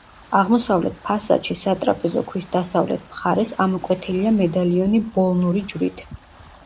აღმოსავლეთ ფასადში სატრაპეზო ქვის დასავლეთ მხარეს ამოკვეთილია მედალიონი „ბოლნური ჯვრით“.